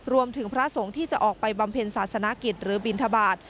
พระสงฆ์ที่จะออกไปบำเพ็ญศาสนกิจหรือบินทบาท